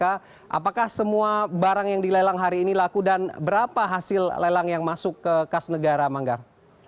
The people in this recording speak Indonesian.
apakah semua barang yang dilelang hari ini laku dan berapa hasil lelang yang masuk ke kas negara manggar